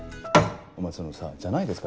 お前そのさ「じゃないですか」